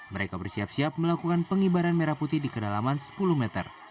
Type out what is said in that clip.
mereka bersiap siap melakukan pengibaran merah putih di kedalaman sepuluh meter